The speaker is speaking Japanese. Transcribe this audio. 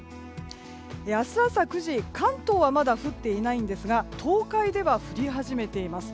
明日朝９時関東はまだ降っていないんですが東海では降り始めています。